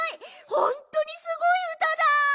ほんとにすごいうただ！